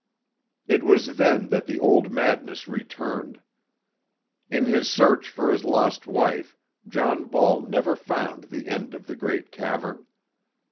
It was then that the old madness returned. In his search for his lost wife John Ball never found the end of the great cavern.